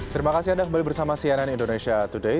terima kasih anda kembali bersama cnn indonesia today